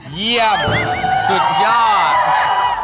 เยี่ยมสุดยอด